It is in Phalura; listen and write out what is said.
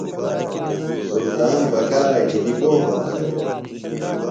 سلطان بکارہ گِھنیۡ گو ہونسہ دےۡ؟